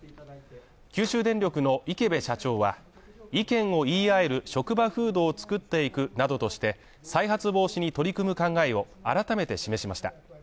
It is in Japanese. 九州電力の池辺社長は、意見を言い合える職場風土を作っていくなどとして、再発防止に取り組む考えを改めて示しました。